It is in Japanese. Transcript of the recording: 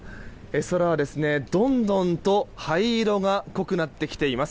空はどんどんと灰色が濃くなってきています。